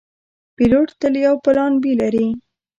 پیلوټ تل یو پلان “B” لري.